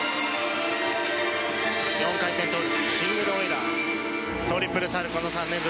４回転トゥループシングルオイラートリプルサルコウの３連続。